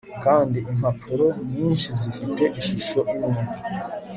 kandi impapuro nyinshi zifite ishusho imwe